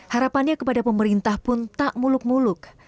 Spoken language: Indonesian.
harapannya kepada pemerintah pun tak muluk muluk